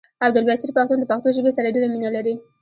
عبدالبصير پښتون د پښتو ژبې سره ډيره مينه لري